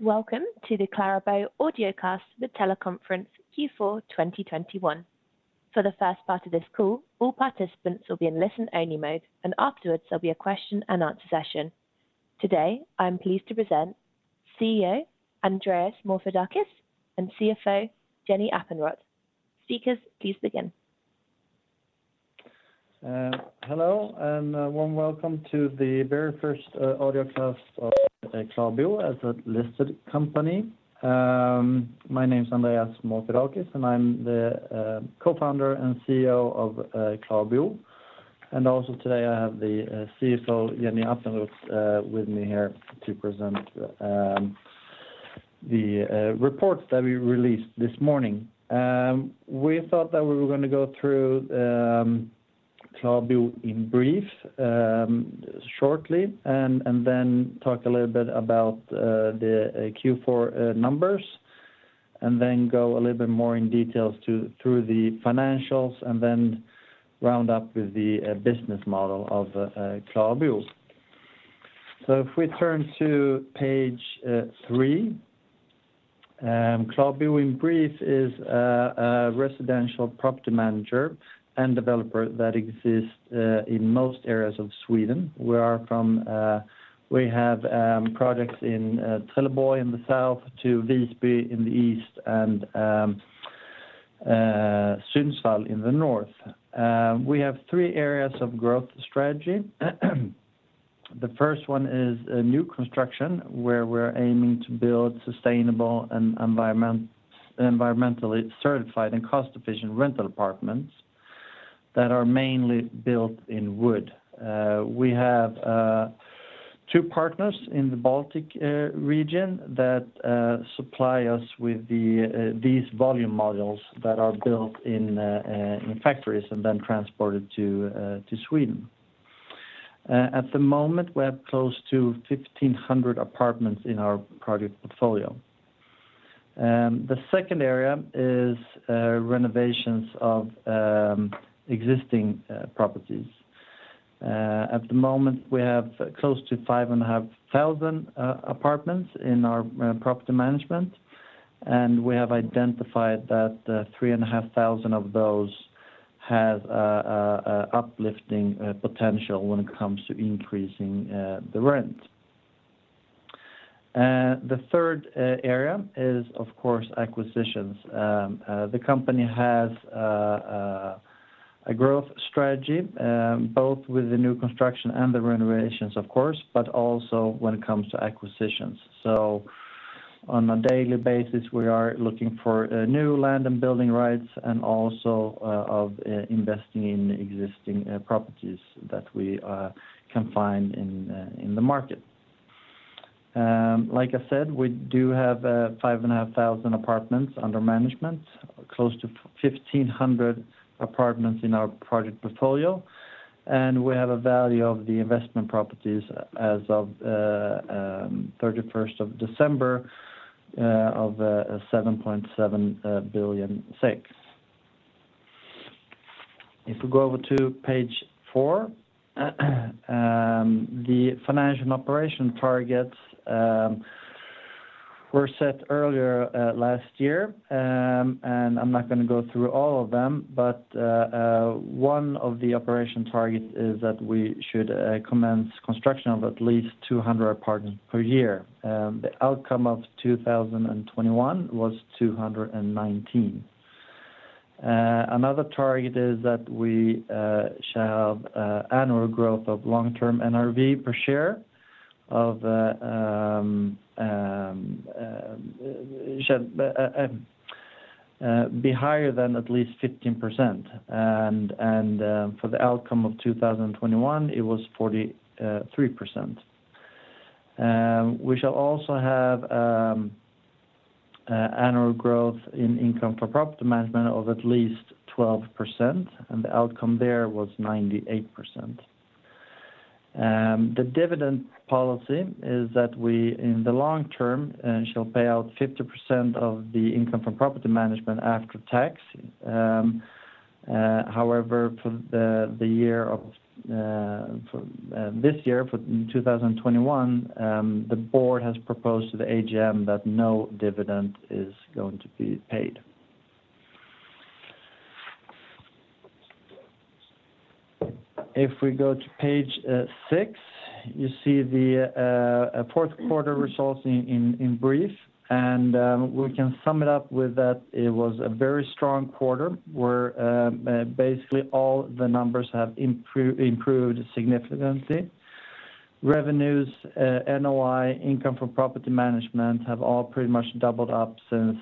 Welcome to the KlaraBo audiocast, the teleconference Q4 2021. For the first part of this call, all participants will be in listen-only mode, and afterwards there'll be a question and answer session. Today, I am pleased to present CEO Andreas Morfiadakis and CFO Jenny Appenrodt. Speakers, please begin. Hello, a warm welcome to the very first audiocast of KlaraBo as a listed company. My name's Andreas Morfiadakis, and I'm the co-founder and CEO of KlaraBo. Also today I have the CFO Jenny Appenrodt with me here to present the reports that we released this morning. We thought that we were gonna go through KlaraBo in brief shortly, and then talk a little bit about the Q4 numbers, and then go a little bit more in details through the financials, and then round up with the business model of KlaraBo. If we turn to page three. KlaraBo in brief is a residential property manager and developer that exists in most areas of Sweden. We are from... We have projects in Trelleborg in the south to Visby in the east and Sundsvall in the north. We have three areas of growth strategy. The first one is new construction, where we're aiming to build sustainable and environmentally certified and cost-efficient rental apartments that are mainly built in wood. We have two partners in the Baltic region that supply us with these volume modules that are built in factories and then transported to Sweden. At the moment, we have close to 1,500 apartments in our project portfolio. The second area is renovations of existing properties. At the moment, we have close to 5,500 apartments in our property management, and we have identified that 3,500 of those have uplifting potential when it comes to increasing the rent. The third area is, of course, acquisitions. The company has a growth strategy both with the new construction and the renovations, of course, but also when it comes to acquisitions. On a daily basis, we are looking for new land and building rights and also investing in existing properties that we can find in the market. Like I said, we do have 5,500 apartments under management, close to 1,500 apartments in our project portfolio, and we have a value of the investment properties as of 31st of December of 7.6 billion. If we go over to page four. The financial and operational targets were set earlier last year. I'm not gonna go through all of them, but one of the operational targets is that we should commence construction of at least 200 apartments per year. The outcome of 2021 was 219. Another target is that annual growth of long-term NRV per share shall be higher than at least 15%. For the outcome of 2021, it was 43%. We shall also have annual growth in income for property management of at least 12%, and the outcome there was 98%. The dividend policy is that we, in the long term, shall pay out 50% of the income from property management after tax. However, for 2021, the board has proposed to the AGM that no dividend is going to be paid. If we go to page six, you see the fourth quarter results in brief. We can sum it up with that it was a very strong quarter, where basically all the numbers have improved significantly. Revenues, NOI, income from property management have all pretty much doubled up since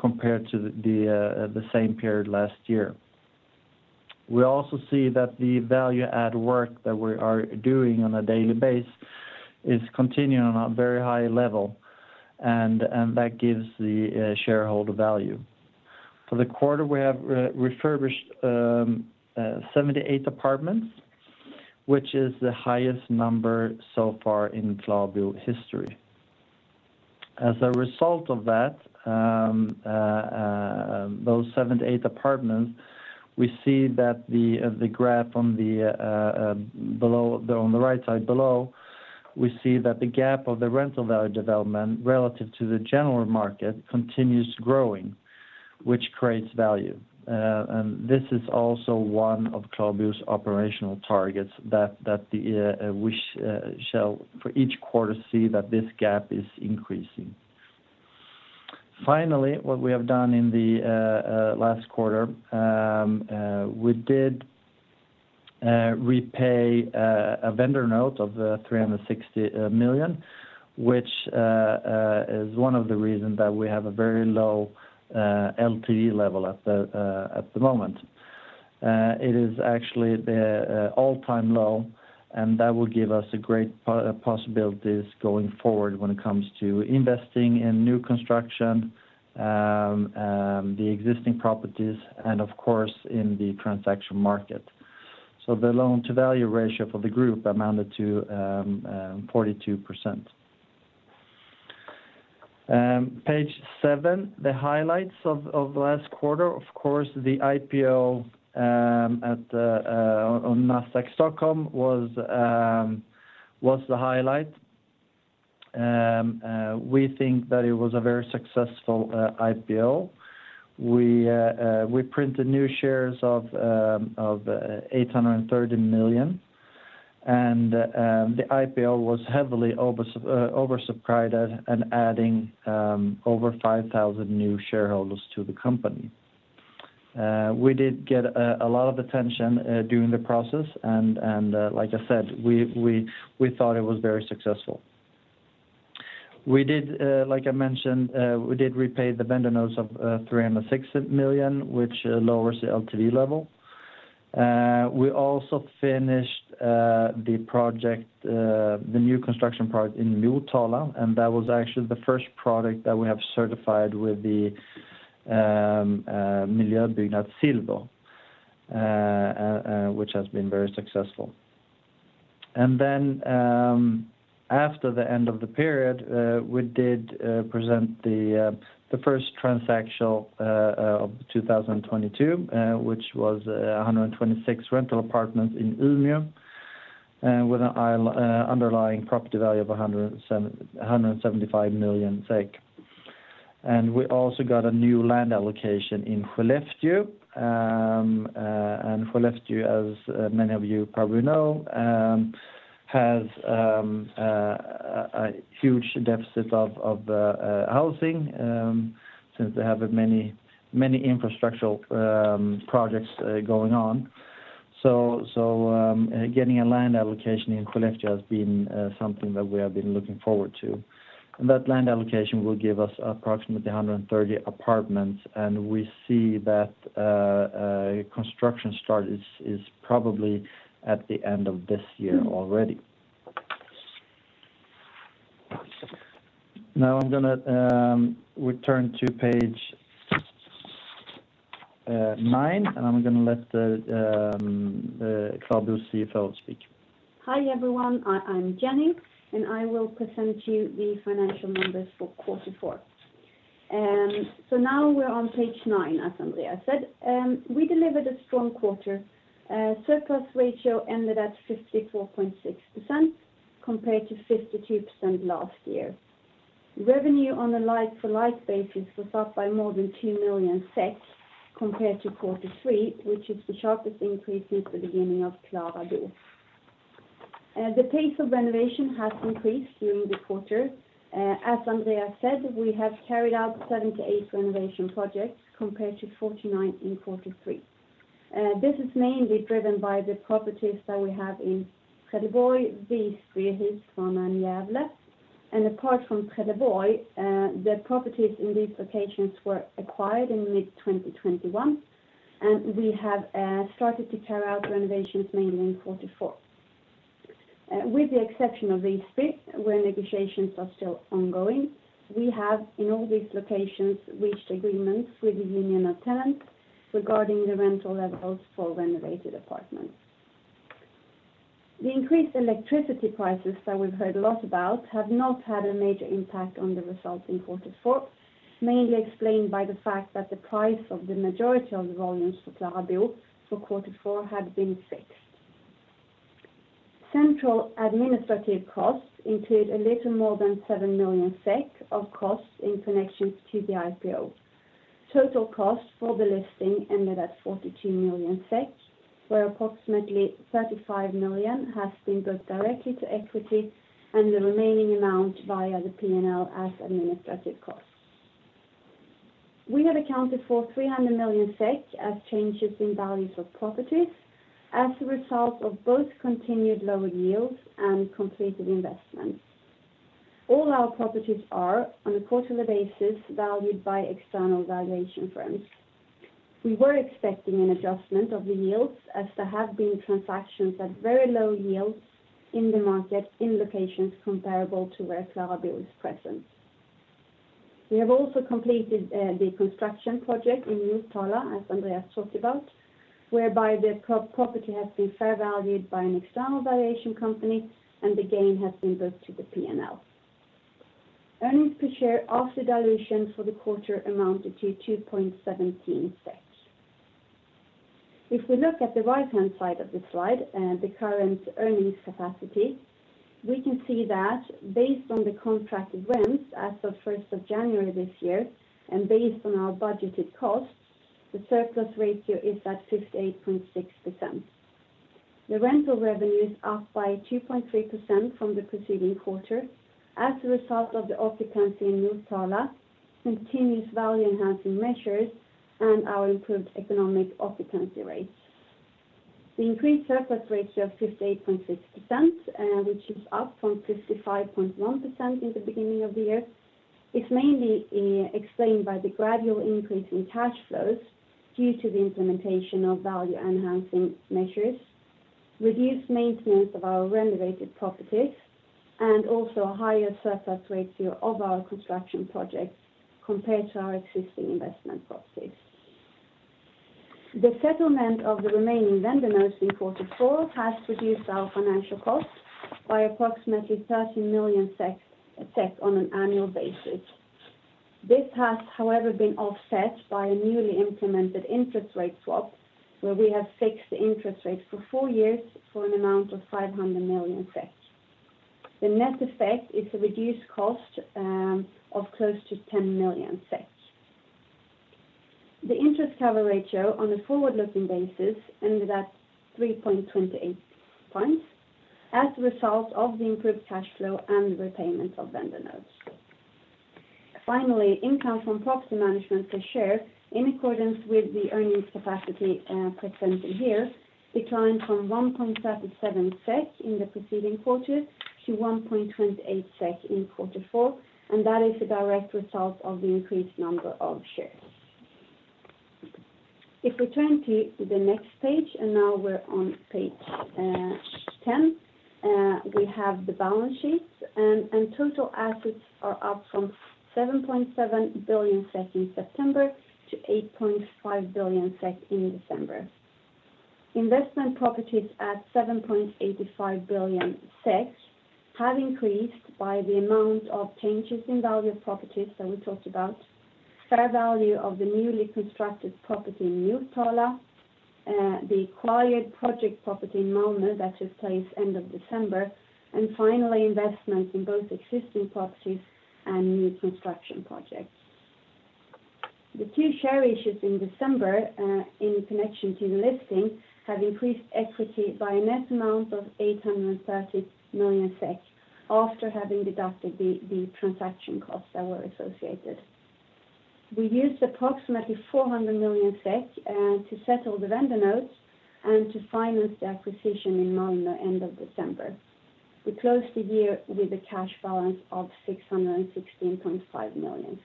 compared to the same period last year. We also see that the value add work that we are doing on a daily base is continuing on a very high level, and that gives the shareholder value. For the quarter, we have refurbished 78 apartments, which is the highest number so far in KlaraBo history. As a result of that, those 78 apartments, we see that the graph on the right side below, we see that the gap of the rental value development relative to the general market continues growing, which creates value. This is also one of KlaraBo's operational targets that we shall for each quarter see that this gap is increasing. Finally, what we have done in the last quarter, we did repay a vendor note of 360 million, which is one of the reasons that we have a very low LTV level at the moment. It is actually the all-time low, and that will give us great possibilities going forward when it comes to investing in new construction, the existing properties, and of course, in the transaction market. The loan to value ratio for the group amounted to 42%. Page seven, the highlights of last quarter. Of course, the IPO at the on Nasdaq Stockholm was the highlight. We think that it was a very successful IPO. We printed new shares of 830 million. The IPO was heavily oversubscribed and adding over 5,000 new shareholders to the company. We did get a lot of attention during the process. Like I said, we thought it was very successful. We did, like I mentioned, repay the vendor notes of 360 million, which lowers the LTV level. We also finished the new construction project in Motala, and that was actually the first product that we have certified with the Miljöbyggnad Silver, which has been very successful. Then, after the end of the period, we did present the first transaction of 2022, which was 126 rental apartments in Umeå, with an underlying property value of 175 million. We also got a new land allocation in Skellefteå. Skellefteå, as many of you probably know, has a huge deficit of housing, since they have many infrastructural projects going on. Getting a land allocation in Skellefteå has been something that we have been looking forward to. That land allocation will give us approximately 130 apartments, and we see that construction start is probably at the end of this year already. Now I'm gonna return to page nine, and I'm gonna let the KlaraBo CFO speak. Hi, everyone. I'm Jenny, and I will present you the financial numbers for quarter four. Now we're on page nine, as Andreas said. We delivered a strong quarter. Surplus ratio ended at 54.6% compared to 52% last year. Revenue on a like to like basis was up by more than 2 million compared to quarter three, which is the sharpest increase since the beginning of KlaraBo. The pace of renovation has increased during the quarter. As Andreas said, we have carried out 78 renovation projects compared to 49 in 43. This is mainly driven by the properties that we have in Trelleborg, Visby, Kristinehamn, and Gävle. Apart from Trelleborg, the properties in these locations were acquired in mid-2021, and we have started to carry out renovations mainly in 44. With the exception of Visby, where negotiations are still ongoing, we have, in all these locations, reached agreements with the union of tenants regarding the rental levels for renovated apartments. The increased electricity prices that we've heard a lot about have not had a major impact on the results in quarter four, mainly explained by the fact that the price of the majority of the volumes for KlaraBo for quarter four had been fixed. Central administrative costs include a little more than 7 million SEK of costs in connection to the IPO. Total cost for the listing ended at 42 million SEK, where approximately 35 million has been put directly to equity and the remaining amount via the P&L as administrative costs. We have accounted for 300 million SEK as changes in values of properties as a result of both continued lower yields and completed investments. All our properties are, on a quarterly basis, valued by external valuation firms. We were expecting an adjustment of the yields as there have been transactions at very low yields in the market in locations comparable to where KlaraBo is present. We have also completed the construction project in Motala, as Andreas talked about, whereby the property has been fair valued by an external valuation company, and the gain has been booked to the P&L. Earnings per share after dilution for the quarter amounted to 2.17 SEK. If we look at the right-hand side of the slide, the current earnings capacity, we can see that based on the contracted rents as of 1st of January this year, and based on our budgeted costs, the surplus ratio is at 58.6%. The rental revenue is up by 2.3% from the preceding quarter as a result of the occupancy in Motala, continuous value-enhancing measures, and our improved economic occupancy rates. The increased surplus ratio of 58.6%, which is up from 55.1% in the beginning of the year, is mainly explained by the gradual increase in cash flows due to the implementation of value-enhancing measures, reduced maintenance of our renovated properties, and also a higher surplus ratio of our construction projects compared to our existing investment properties. The settlement of the remaining vendor notes in quarter four has reduced our financial costs by approximately 30 million SEK on an annual basis. This has, however, been offset by a newly implemented interest rate swap, where we have fixed the interest rates for four years for an amount of 500 million SEK. The net effect is a reduced cost of close to 10 million SEK. The interest cover ratio on a forward-looking basis ended at 3.28 points as a result of the improved cash flow and the repayment of vendor notes. Finally, income from property management per share in accordance with the earnings capacity presented here declined from 1.37 SEK in the preceding quarter to 1.28 SEK in quarter four, and that is a direct result of the increased number of shares. If we turn to the next page, and now we're on page 10, we have the balance sheets. Total assets are up from 7.7 billion SEK in September to 8.5 billion SEK in December. Investment properties at 7.85 billion SEK have increased by the amount of changes in value of properties that we talked about, fair value of the newly constructed property in Motala, the acquired project property in Malmö that took place end of December, and finally, investments in both existing properties and new construction projects. The two share issues in December in connection to the listing have increased equity by a net amount of 830 million SEK after having deducted the transaction costs that were associated. We used approximately 400 million SEK to settle the vendor notes and to finance the acquisition in Malmö end of December. We closed the year with a cash balance of 616.5 million.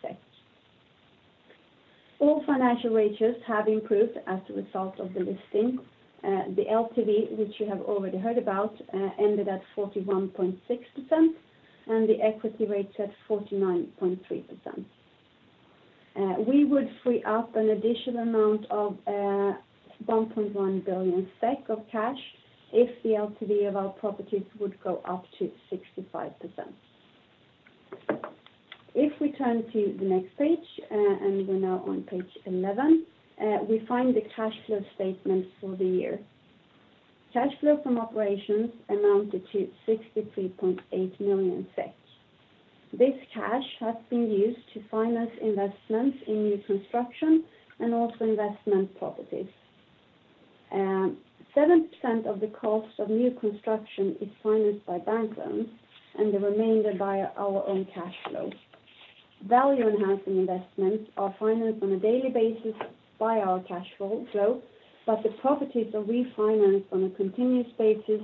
All financial ratios have improved as a result of the listing. The LTV, which you have already heard about, ended at 41.6%, and the equity rate's at 49.3%. We would free up an additional amount of 1.1 billion SEK of cash if the LTV of our properties would go up to 65%. If we turn to the next page, and we're now on page 11, we find the cash flow statement for the year. Cash flow from operations amounted to 63.8 million. This cash has been used to finance investments in new construction and also investment properties. 7% of the cost of new construction is financed by bank loans, and the remainder by our own cash flow. Value-enhancing investments are financed on a daily basis by our cash flow, but the properties are refinanced on a continuous basis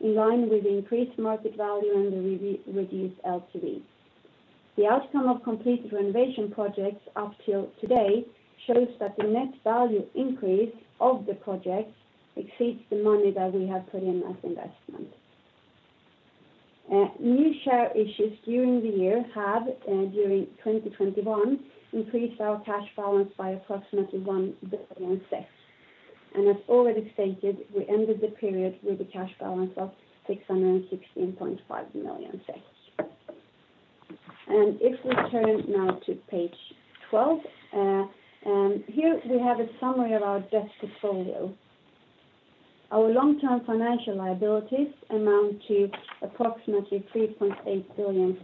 in line with increased market value and the re-reduced LTV. The outcome of completed renovation projects up till today shows that the net value increase of the projects exceeds the money that we have put in as investment. New share issues during 2021 increased our cash balance by approximately 1 billion. As already stated, we ended the period with a cash balance of 616.5 million. If we turn now to page 12, here we have a summary of our debt portfolio. Our long-term financial liabilities amount to approximately 3.8 billion.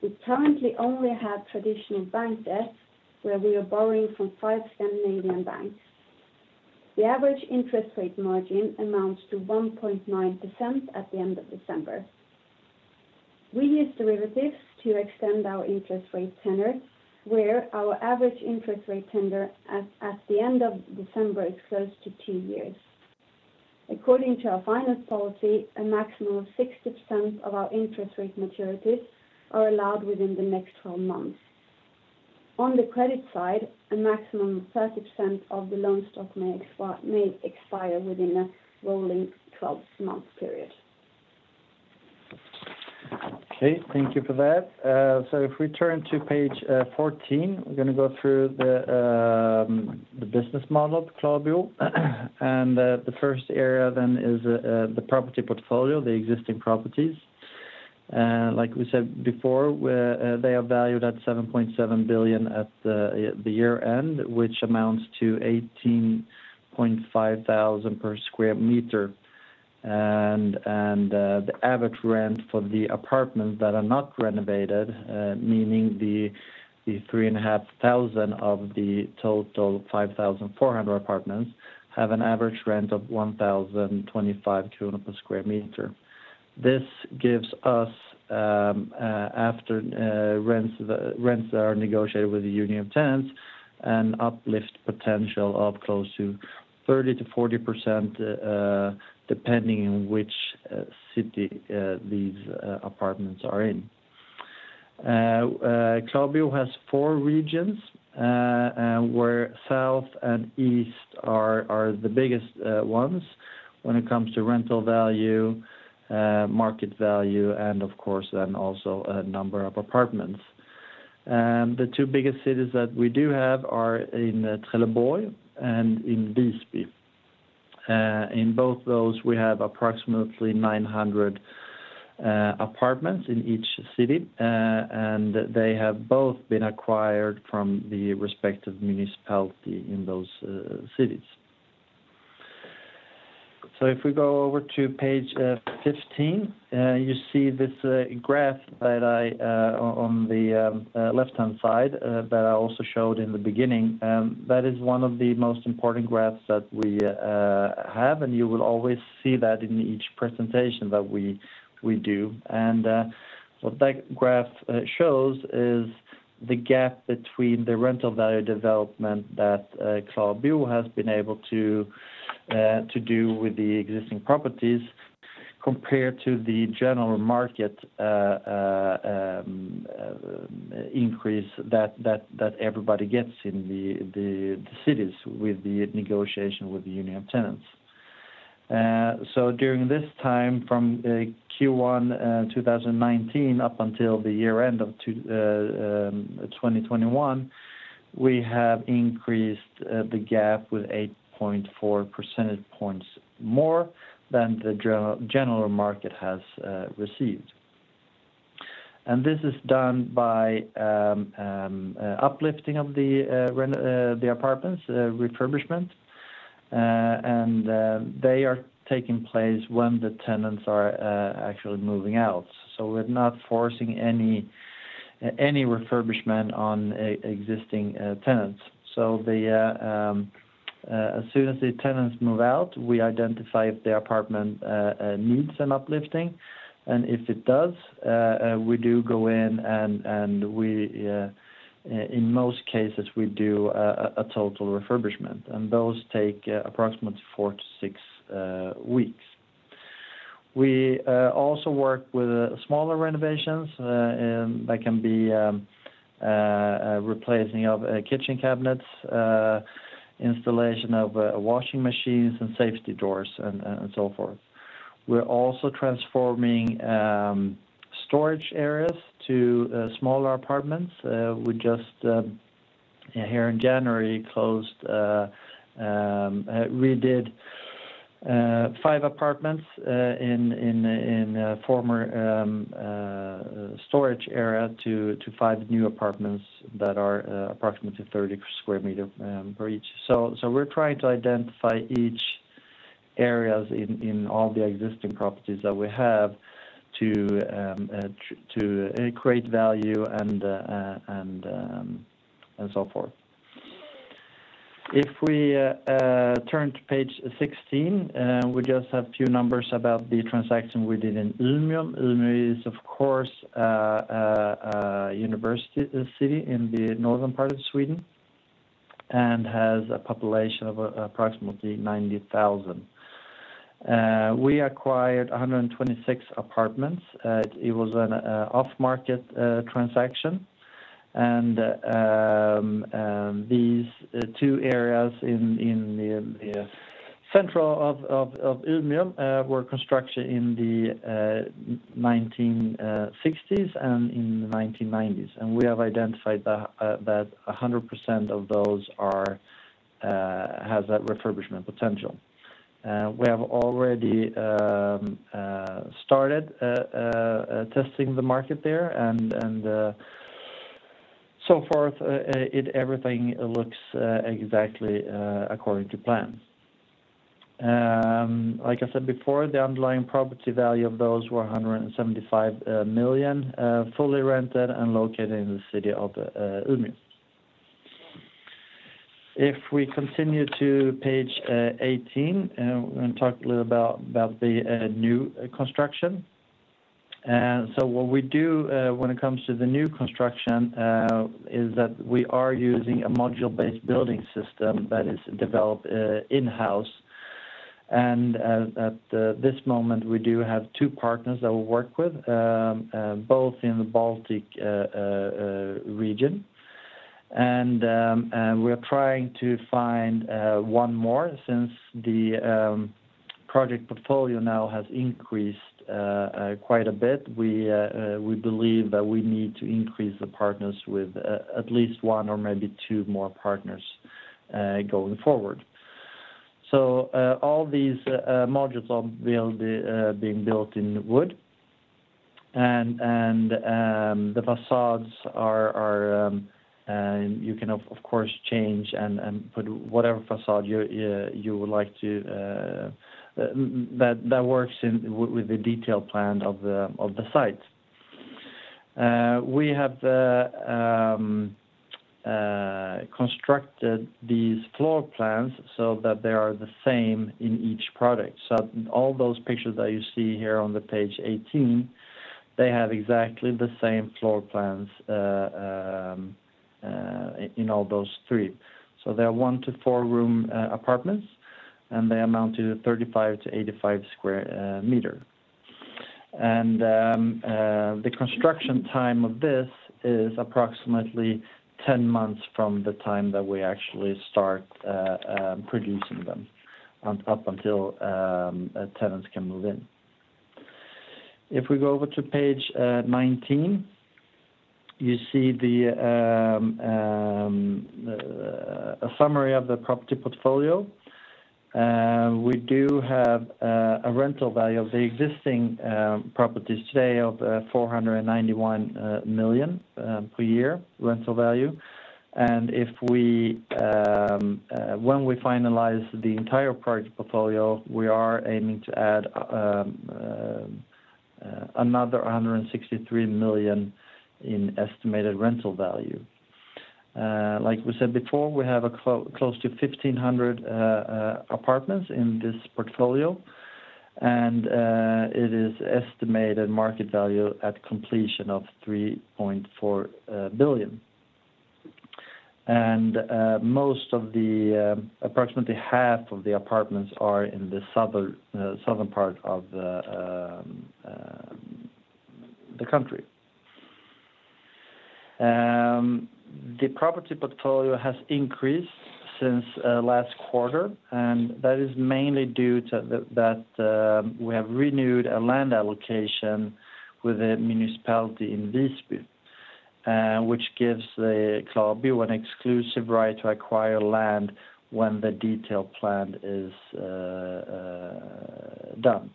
We currently only have traditional bank debt, where we are borrowing from five Scandinavian banks. The average interest rate margin amounts to 1.9% at the end of December. We use derivatives to extend our interest rate tenor, where our average interest rate tenor at the end of December is close to two years. According to our finance policy, a maximum of 60% of our interest rate maturities are allowed within the next 12 months. On the credit side, a maximum of 30% of the loan stock may expire within a rolling 12-month period. Okay. Thank you for that. If we turn to page 14, we're gonna go through the business model of KlaraBo. The first area then is the property portfolio, the existing properties. Like we said before, where they are valued at 7.7 billion at the year-end, which amounts to 18,500 per sq m. The average rent for the apartments that are not renovated, meaning the 3,500 of the total 5,400 apartments, have an average rent of 1,025 per sq m. This gives us, after rents that are negotiated with the Union of Tenants, an uplift potential of close to 30%-40%, depending on which city these apartments are in. KlaraBo has four regions where south and east are the biggest ones when it comes to rental value, market value, and of course then also a number of apartments. The two biggest cities that we do have are in Trelleborg and in Visby. In both those, we have approximately 900 apartments in each city. They have both been acquired from the respective municipality in those cities. If we go over to page 15, you see this graph that I on the left-hand side that I also showed in the beginning. That is one of the most important graphs that we have, and you will always see that in each presentation that we do. What that graph shows is the gap between the rental value development that KlaraBo has been able to do with the existing properties compared to the general market increase that everybody gets in the cities with the negotiation with the Union of Tenants. During this time, from Q1 2019 up until the year-end of 2021, we have increased the gap with 8.4 percentage points more than the general market has received. This is done by uplifting of the apartments refurbishment. They are taking place when the tenants are actually moving out. We're not forcing any refurbishment on existing tenants. As soon as the tenants move out, we identify if the apartment needs some uplifting. If it does, we do go in and we in most cases do a total refurbishment, and those take approximately four to six weeks. We also work with smaller renovations, and that can be replacing of kitchen cabinets, installation of washing machines and safety doors and so forth. We're also transforming storage areas to smaller apartments. We just here in January redid five apartments in former storage area to five new apartments that are approximately 30 sq m for each. We're trying to identify areas in all the existing properties that we have to create value and so forth. If we turn to page 16, we just have a few numbers about the transaction we did in Umeå. Umeå is, of course, a university city in the northern part of Sweden and has a population of approximately 90,000. We acquired 126 apartments. It was an off-market transaction. These two areas in the center of Umeå were constructed in the 1960s and in the 1990s. We have identified that 100% of those has that refurbishment potential. We have already started testing the market there. So far, everything looks exactly according to plan. Like I said before, the underlying property value of those were 175 million, fully rented and located in the city of Umeå. If we continue to page 18, we're gonna talk a little about the new construction. What we do when it comes to the new construction is that we are using a module-based building system that is developed in-house. At this moment, we do have two partners that we work with, both in the Baltic region. We are trying to find one more since the project portfolio now has increased quite a bit. We believe that we need to increase the partners with at least one or maybe two more partners going forward. All these modules are being built in wood. The facades, you can of course change and put whatever facade you would like to, that works with the detailed plan of the site. We have constructed these floor plans so that they are the same in each product. All those pictures that you see here on page 18, they have exactly the same floor plans in all those three. They are one to four room apartments, and they amount to 35-85 sq m. The construction time of this is approximately 10 months from the time that we actually start producing them up until tenants can move in. If we go over to page 19, you see a summary of the property portfolio. We do have a rental value of the existing properties today of 491 million per year rental value. If we, when we finalize the entire project portfolio, we are aiming to add another 163 million in estimated rental value. Like we said before, we have close to 1,500 apartments in this portfolio. It is estimated market value at completion of 3.4 billion. Most of the, approximately half of the apartments are in the southern part of the country. The property portfolio has increased since last quarter, and that is mainly due to that we have renewed a land allocation with the municipality in Visby, which gives KlaraBo an exclusive right to acquire land when the detailed plan is done.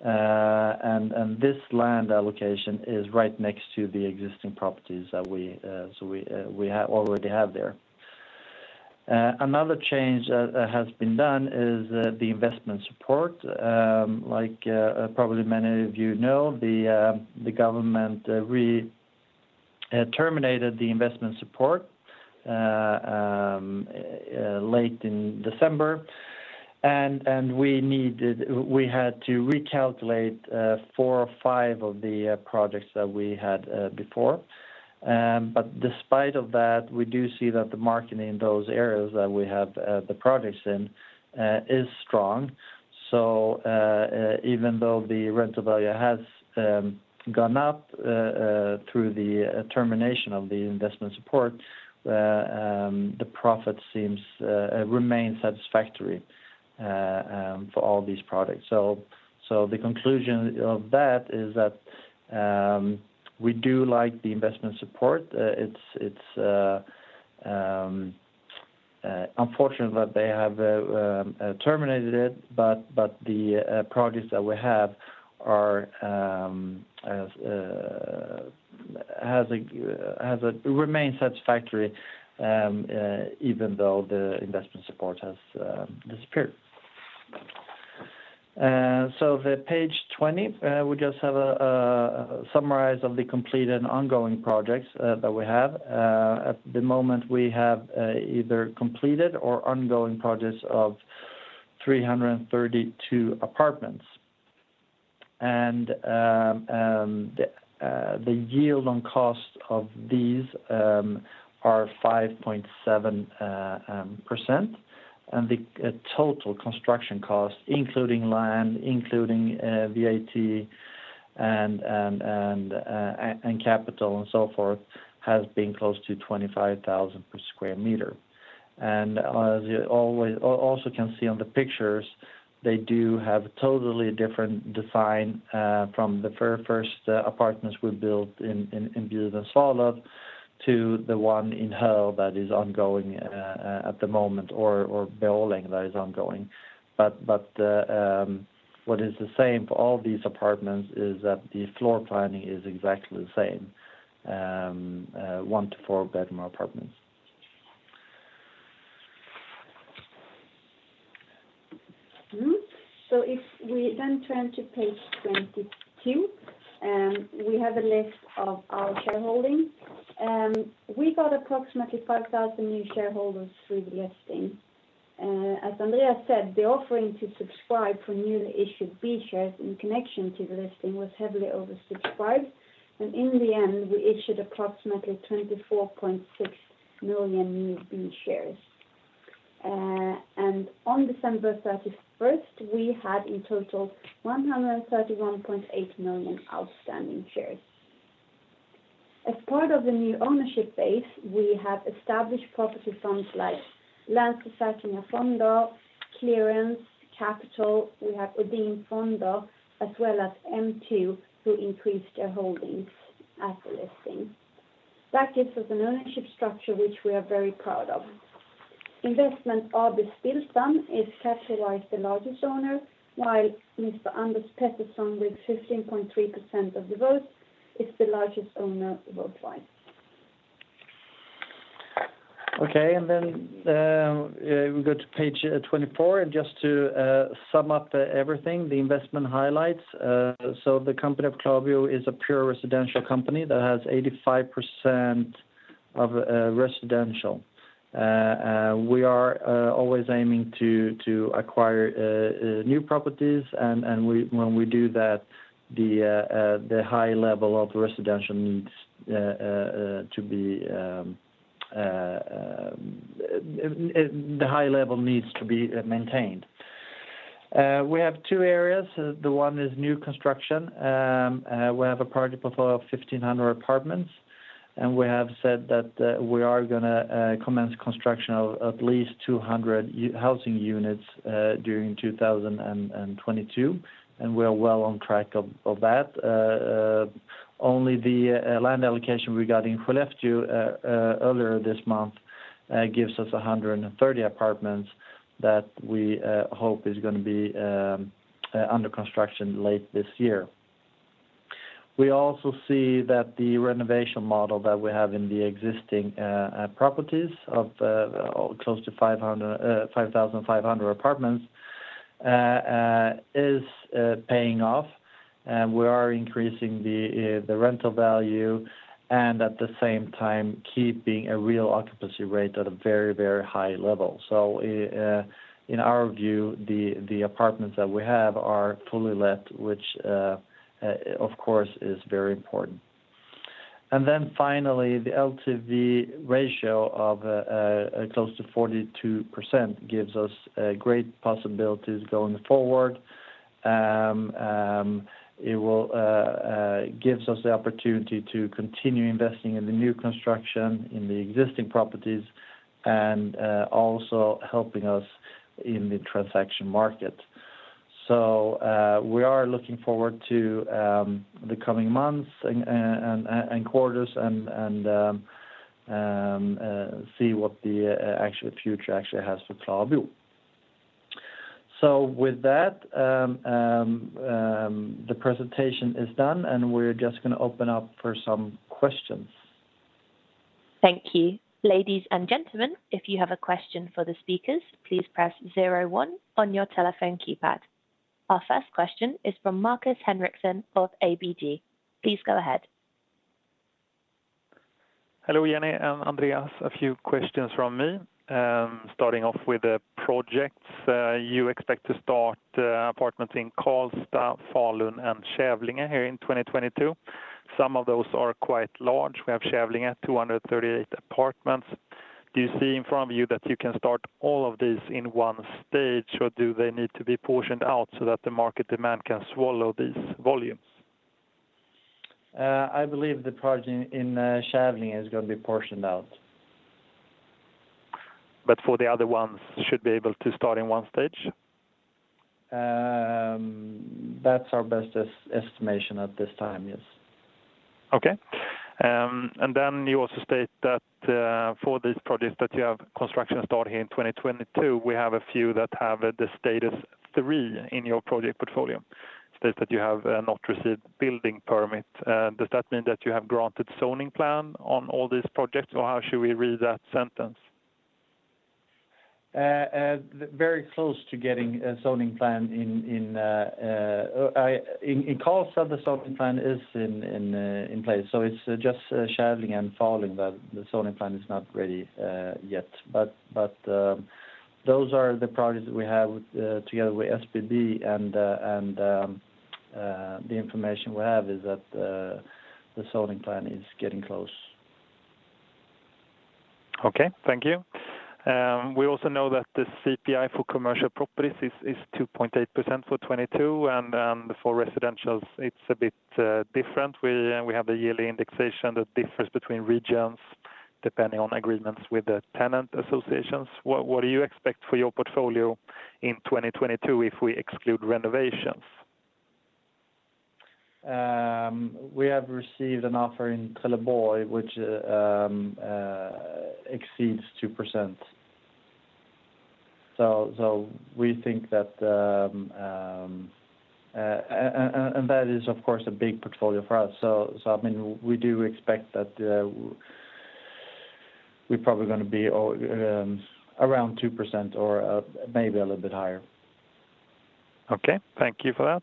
This land allocation is right next to the existing properties that we already have there. Another change that has been done is the investment support. Like, probably many of you know, the government terminated the investment support late in December. We had to recalculate four to five of the projects that we had before. Despite of that, we do see that the marketing in those areas that we have the projects in is strong. Even though the rental value has gone up through the termination of the investment support, the profit seems remain satisfactory for all these products. The conclusion of that is that we do like the investment support. It's unfortunate that they have terminated it, but the projects that we have remain satisfactory even though the investment support has disappeared. The page 20, we just have a summary of the completed and ongoing projects that we have. At the moment, we have either completed or ongoing projects of 332 apartments. The yield on cost of these are 5.7%. The total construction cost, including land, including VAT and capital and so forth, has been close to 25,000 per sq m. As you can see on the pictures, they do have a totally different design from the first apartments we built in Bjurholm and Sollefteå to the one in Höör that is ongoing at the moment or Boliden that is ongoing. What is the same for all these apartments is that the floor planning is exactly the same, one to four bedroom apartments. If we then turn to page 22, we have a list of our shareholding. We got approximately 5,000 new shareholders through the listing. As Andreas said, the offering to subscribe for newly issued B shares in connection to the listing was heavily oversubscribed. In the end, we issued approximately 24.6 million new B shares. On December 31st, we had in total 131.8 million outstanding shares. As part of the new ownership base, we have established property funds like Okay, we go to page 24. Just to sum up everything, the investment highlights. The company of KlaraBo is a pure residential company that has 85% of residential. We are always aiming to acquire new properties. When we do that, the high level of residential needs to be maintained. We have two areas. The one is new construction. We have a project portfolio of 1,500 apartments. We have said that we are gonna commence construction of at least 200 housing units during 2022. We're well on track of that. Only the land allocation we got in Skellefteå earlier this month gives us 130 apartments that we hope is gonna be under construction late this year. We also see that the renovation model that we have in the existing properties of close to 5,500 apartments is paying off. We are increasing the rental value, and at the same time keeping a real occupancy rate at a very high level. In our view, the apartments that we have are fully let, which of course is very important. Finally, the LTV ratio of close to 42% gives us great possibilities going forward. It will gives us the opportunity to continue investing in the new construction in the existing properties, and also helping us in the transaction market. We are looking forward to the coming months and quarters and see what the actual future actually has for KlaraBo. With that, the presentation is done, and we're just gonna open up for some questions. Thank you. Ladies and gentlemen, if you have a question for the speakers, please press zero one on your telephone keypad. Our first question is from Markus Henriksson of ABG. Please go ahead. Hello, Jenny and Andreas. A few questions from me. Starting off with the projects. You expect to start apartments in Karlstad, Falun, and Kävlinge here in 2022. Some of those are quite large. We have Kävlinge at 238 apartments. Do you see in front of you that you can start all of these in one stage, or do they need to be portioned out so that the market demand can swallow these volumes? I believe the project in Kävlinge is gonna be portioned out. For the other ones should be able to start in one stage? That's our best estimation at this time. Yes. Okay. You also state that, for these projects that you have construction start here in 2022, we have a few that have status three in your project portfolio. States that you have not received building permit. Does that mean that you have granted zoning plan on all these projects, or how should we read that sentence? Very close to getting a zoning plan in Karlstad, the zoning plan is in place. It's just Kävlinge and Falun that the zoning plan is not ready yet. Those are the projects we have together with SBB. The information we have is that the zoning plan is getting close. Okay. Thank you. We also know that the CPI for commercial properties is 2.8% for 2022. For residentials, it's a bit different. We have a yearly indexation that differs between regions depending on agreements with the tenant associations. What do you expect for your portfolio in 2022 if we exclude renovations? We have received an offer in Trelleborg which exceeds 2%. I mean, we do expect that we're probably gonna be around 2% or maybe a little bit higher. Okay. Thank you for that.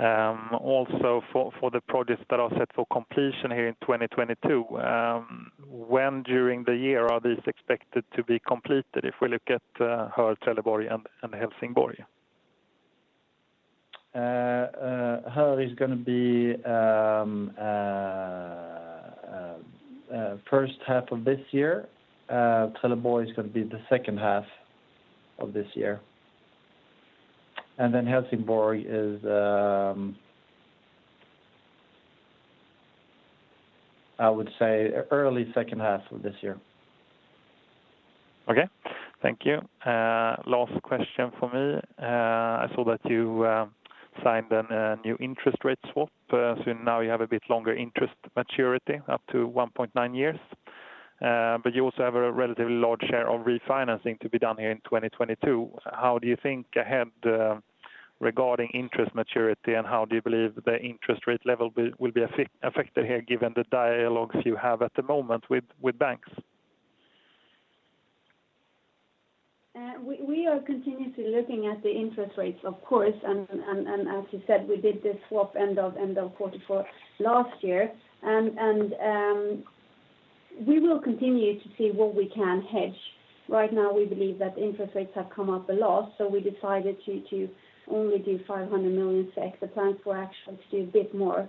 Also for the projects that are set for completion here in 2022, when during the year are these expected to be completed if we look at Höör, Trelleborg, and Helsingborg? Höör is going to be first half of this year. Trelleborg is going to be the second half of this year. Helsingborg is I would say early second half of this year. Okay. Thank you. Last question for me. I saw that you signed a new interest rate swap. So now you have a bit longer interest maturity up to 1.9 years. But you also have a relatively large share of refinancing to be done here in 2022. How do you think ahead regarding interest maturity, and how do you believe the interest rate level will be affected here given the dialogues you have at the moment with banks? We are continuously looking at the interest rates, of course. As you said, we did the swap end of quarter four last year. We will continue to see what we can hedge. Right now, we believe that interest rates have come up a lot, so we decided to only do 500 million. The plan was actually to do a bit more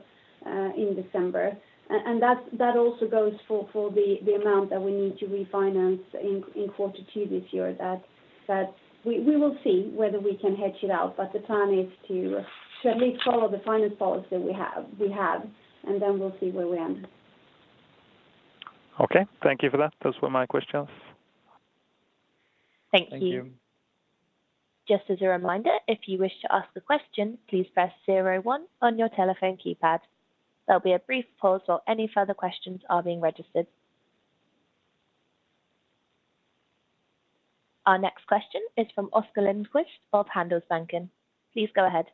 in December. That also goes for the amount that we need to refinance in quarter two this year. We will see whether we can hedge it out, but the plan is to at least follow the financial policy we have, and then we'll see where we end. Okay, thank you for that. Those were my questions. Thank you. Thank you. Just as a reminder, if you wish to ask a question, please press zero one on your telephone keypad. There'll be a brief pause while any further questions are being registered. Our next question is from Oscar Lindquist of Handelsbanken. Please go ahead.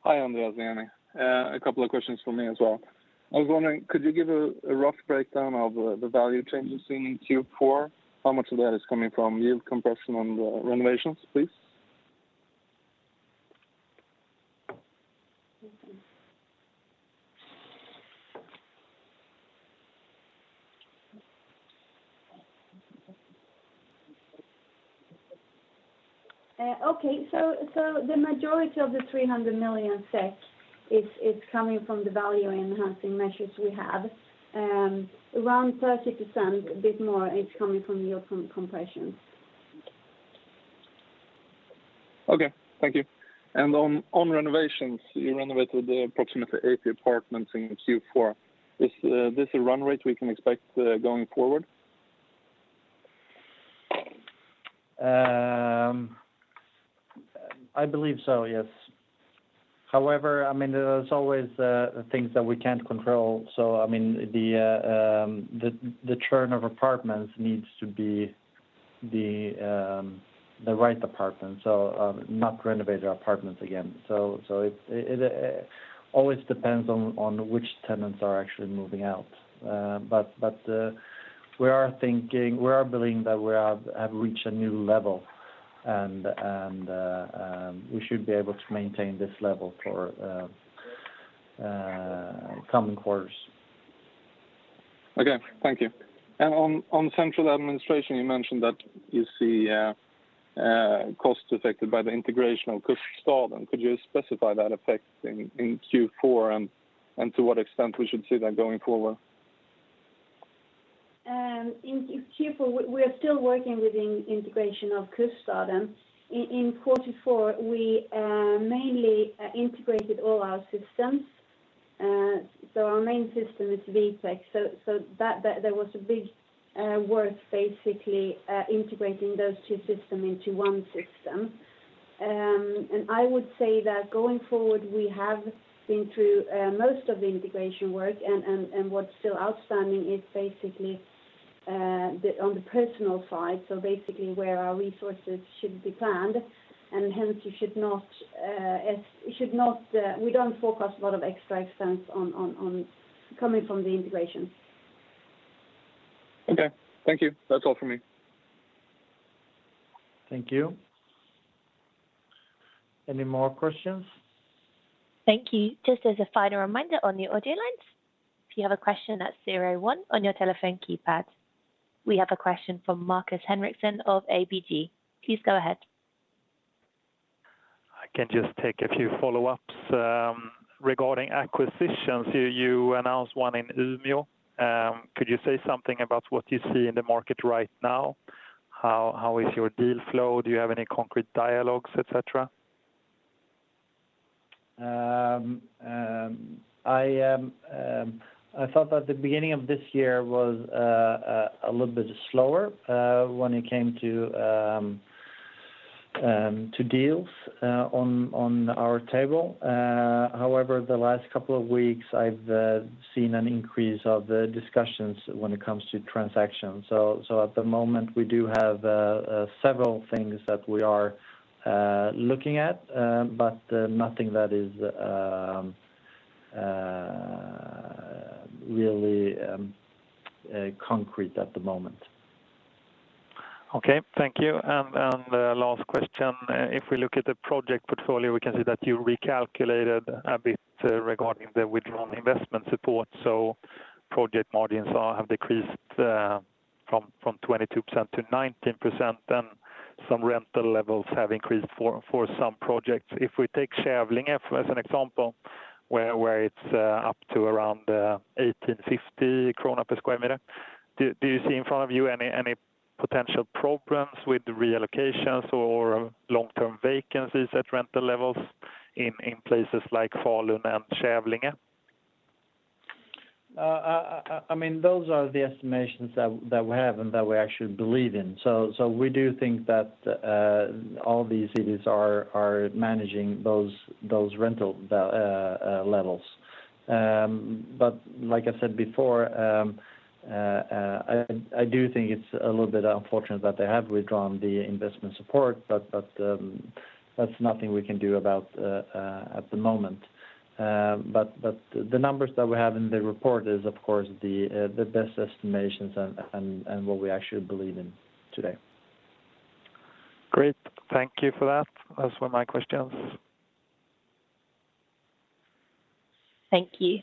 Hi, Andreas and Jenny. A couple of questions from me as well. I was wondering, could you give a rough breakdown of the value changes seen in Q4? How much of that is coming from yield compression on the renovations, please? Okay. The majority of the 300 million SEK is coming from the value-enhancing measures we have. Around 30%, a bit more, is coming from yield compression. Okay. Thank you. On renovations, you renovated approximately 80 apartments in Q4. Is this a run rate we can expect going forward? I believe so, yes. However, I mean, there's always things that we can't control. I mean, the churn of apartments needs to be the right apartment. It always depends on which tenants are actually moving out. We are believing that we have reached a new level and we should be able to maintain this level for coming quarters. Okay. Thank you. On central administration, you mentioned that you see costs affected by the integration of Kuststaden. Could you specify that effect in Q4 and to what extent we should see that going forward? In Q4, we're still working with the integration of Kuststaden. In quarter four, we mainly integrated all our systems. Our main system is Vitec. There was a big work basically integrating those two systems into one system. I would say that going forward, we have been through most of the integration work and what's still outstanding is basically the personnel side, so basically where our resources should be planned, and hence we don't forecast a lot of extra expense coming from the integration. Okay. Thank you. That's all for me. Thank you. Any more questions? Thank you. Just as a final reminder on the audio lines, if you have a question, that's zero one on your telephone keypad. We have a question from Markus Henriksson of ABG. Please go ahead. I can just take a few follow-ups. Regarding acquisitions, you announced one in Umeå. Could you say something about what you see in the market right now? How is your deal flow? Do you have any concrete dialogues, et cetera? I thought that the beginning of this year was a little bit slower when it came to deals on our table. However, the last couple of weeks, I've seen an increase in the discussions when it comes to transactions. At the moment, we do have several things that we are looking at, but nothing that is really concrete at the moment. Okay. Thank you. Last question. If we look at the project portfolio, we can see that you recalculated a bit regarding the withdrawn investment support. Project margins have decreased from 22% to 19%, then some rental levels have increased for some projects. If we take Kävlinge as an example, where it's up to around 1,850 krona per sq m, do you see in front of you any potential problems with the reallocations or long-term vacancies at rental levels in places like Falun and Kävlinge? I mean, those are the estimations that we have and that we actually believe in. We do think that all these cities are managing those rental levels. Like I said before, I do think it's a little bit unfortunate that they have withdrawn the investment support, but that's nothing we can do about at the moment. The numbers that we have in the report is, of course, the best estimations and what we actually believe in today. Great. Thank you for that. Those were my questions. Thank you.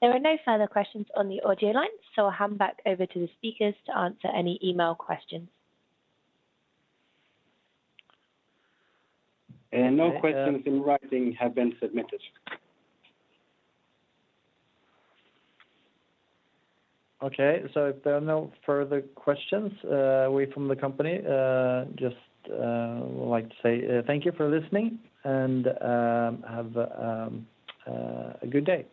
There are no further questions on the audio line, so I'll hand back over to the speakers to answer any email questions. No questions in writing have been submitted. Okay. If there are no further questions, on behalf of the company, I just would like to say thank you for listening and have a good day.